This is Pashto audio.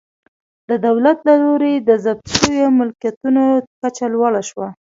د دولت له لوري د ضبط شویو ملکیتونو کچه لوړه شوه